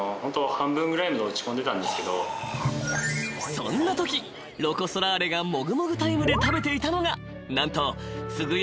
［そんなときロコ・ソラーレがもぐもぐタイムで食べていたのが何と津具屋